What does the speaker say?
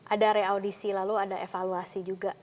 ada re audisi lalu ada evaluasi juga